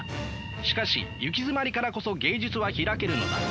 しかしゆきづまりからこそ芸術は開けるのだ。